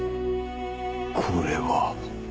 これは